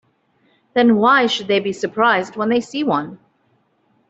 Then why should they be surprised when they see one?